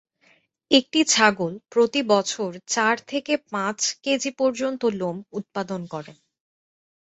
একটি ছাগল প্রতি বছর চার থেকে পাঁচ কেজি পর্যন্ত লোম উৎপাদন করে।